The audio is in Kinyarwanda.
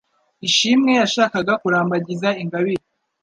Ishimwe yashakaga kurambagiza Ingabire